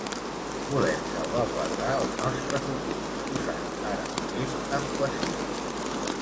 Volem salvaguardar el nostre futur, posat ara mateix en qüestió.